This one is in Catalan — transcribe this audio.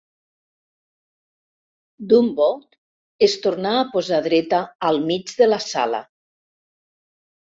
D'un bot es tornà a posar dreta al mig de la sala.